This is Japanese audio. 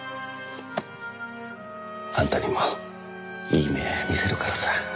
あんたにもいい目見せるからさ。